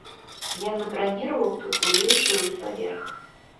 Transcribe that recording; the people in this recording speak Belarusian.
Я забраніраваў тут ўвесь жылы паверх.